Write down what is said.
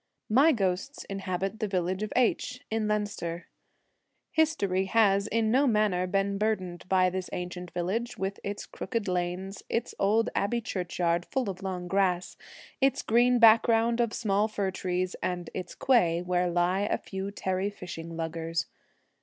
My ghosts inhabit the village of H , in Leinster. History has in no manner been burdened by this ancient village, with its crooked lanes, its old abbey churchyard full of long grass, its green background of small fir trees, and its quay, where lie a few tarry fishing luggers.